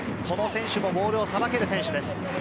この選手もボールをさばける選手です。